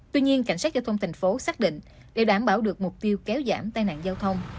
tuy nhiên cảnh sát giao thông thành phố xác định để đảm bảo được mục tiêu kéo giảm tai nạn giao thông